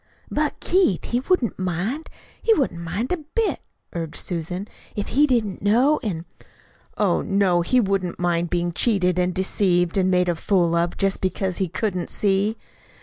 "But, Keith, he wouldn't mind; he wouldn't mind a bit," urged Susan, "if he didn't know an' " "Oh, no, he wouldn't mind being cheated and deceived and made a fool of, just because he couldn't see!"